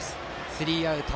スリーアウト。